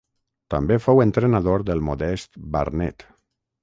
També fou entrenador del modest Barnet.